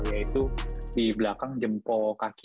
yaitu di belakang jempol kaki